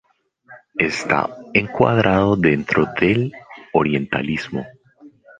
Está encuadrado dentro del orientalismo.